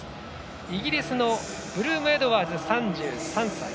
イギリスのブルームエドワーズ３３歳。